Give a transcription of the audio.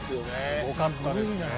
すごかったですね。